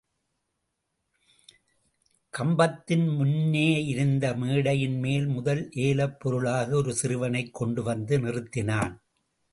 கம்பத்தின் முன்னேயிருந்தமேடையின்மேல் முதல் ஏலப்பொருளாக ஒரு சிறுவனைக் கொண்டுவந்து நிறுத்தினான்.